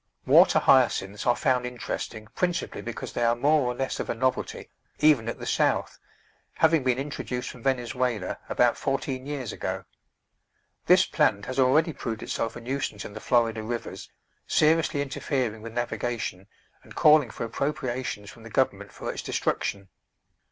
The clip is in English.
Water Hyacinths are found interesting principally because they are more or less of a novelty even at the South, having been introduced from Venezuela about fourteen years ago. This plant has already proved itself a nuisance in the Florida rivers, seriously interfering with navigation and calling for appropria tions from the Government for its destruction.